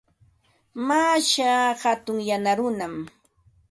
Mashaa hatun yana runam.